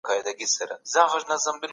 هغه پوهان د سياست په اړه نوې نظريې ورکوي.